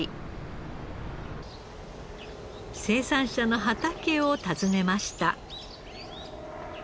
生産者の畑を訪ねました。